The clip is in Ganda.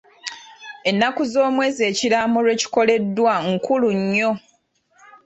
Ennaku z'omwezi ekiraamo lwe kikoleddwa nkulu nnyo.